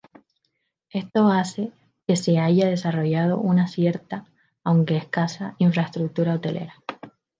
Esto hace que se haya desarrollado una cierta, aunque escasa, infraestructura hostelera.